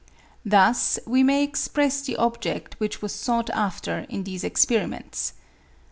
Thus we may express the object which was sought after in these experiments.